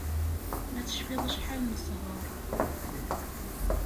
Ma tcfiḍ acḥal nesher